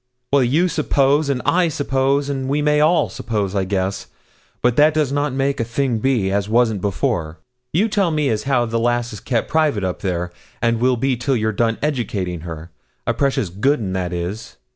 'Well, you suppose, and I suppose we may all suppose, I guess; but that does not make a thing be, as wasn't before; and you tell me as how the lass is kep' private up there, and will be till you're done educating her a precious good 'un that is!'